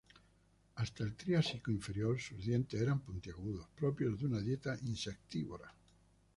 Hasta el Triásico inferior, sus dientes eran puntiagudos, propios de una dieta insectívora.